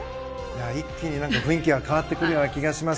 一気に雰囲気が変わってくる気がします。